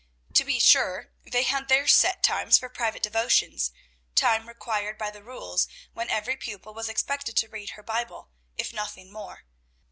To be sure they had their set times for private devotions, time required by the rules, when every pupil was expected to read her Bible, if nothing more.